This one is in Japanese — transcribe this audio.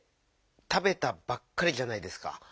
「たべた」ばっかりじゃないですか。